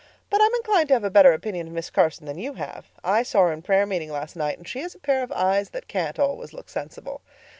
But I'm inclined to have a better opinion of Miss Carson than you have. I saw her in prayer meeting last night, and she has a pair of eyes that can't always look sensible.